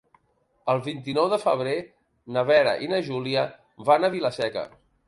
El vint-i-nou de febrer na Vera i na Júlia van a Vila-seca.